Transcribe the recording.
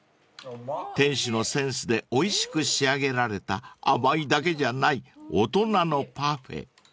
［店主のセンスでおいしく仕上げられた甘いだけじゃない大人のパフェ］